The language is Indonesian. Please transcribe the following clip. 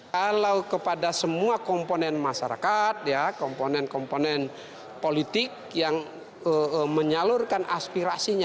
kalau kepada semua komponen masyarakat komponen komponen politik yang menyalurkan aspirasinya